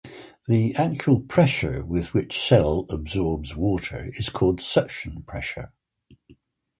The actual pressure with which cell absorbs water is called "suction pressure".